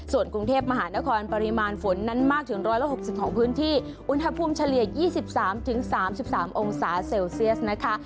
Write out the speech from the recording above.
ส่วนกรุงเทพมหานครปริมาณฝนนั้นมากถึง๑๖๐ของพื้นที่อุณหภูมิเฉลี่ย๒๓๓องศาเซลเซียสนะคะ